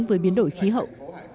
với biến đổi khí hậu